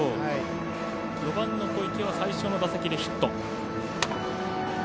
４番、小池は最初の打席でヒット。